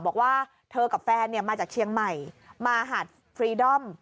บอกว่าเธอกับแฟนมาจากเชียงใหม่มาหาดฟรีดอม